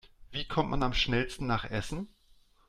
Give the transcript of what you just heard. Wie kommt man am schnellsten nach Essen?